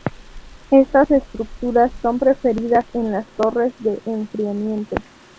Estas estructuras son preferidas en las torres de enfriamiento.